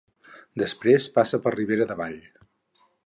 Després passa per Ribera de Vall.